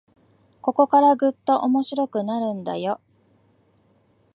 ここからぐっと面白くなるんだよ